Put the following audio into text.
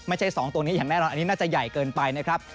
ไม่ใช่๒ตัวนี้อย่างแน่นอนอันนี้น่าจะใหญ่เกินไปนะครับ